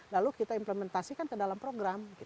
lalu kita implementasikan ke dalam program